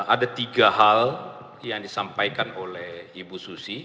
ada tiga hal yang disampaikan oleh ibu susi